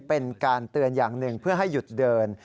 เป็นการเตือนอย่างหนึ่งเพื่อให้หยุดเดิน